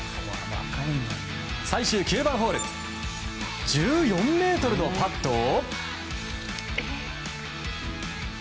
最終９番ホール１４ｍのパットを。